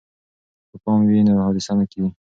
که پام وي نو حادثه نه کیږي.